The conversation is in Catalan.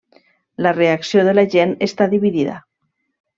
La reacció de la gent està dividida.